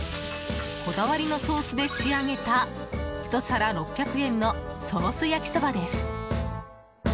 こだわりのソースで仕上げた１皿６００円のソース焼きそばです。